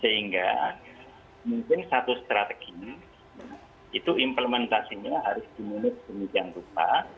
sehingga mungkin satu strategi itu implementasinya harus diminis kemudian lupa